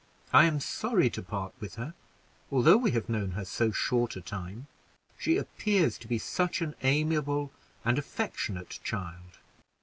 I am sorry to part with her, although we have known her so short a time; she appears to be such an amiable and affectionate child."